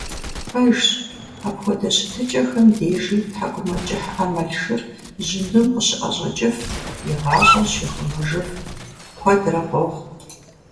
Пэжщ, апхуэдэ щытыкIэхэм дежи тхьэкIумэкIыхь Iэмалшыр жьындум къыщыIэщIэкIыф, и гъащIэр щихъумэжыф куэдрэ къохъу.